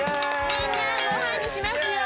みんなごはんにしますよ！